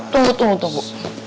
tunggu tunggu tunggu